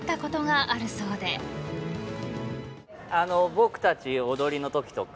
僕たち踊りのときとか。